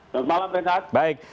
selamat malam benat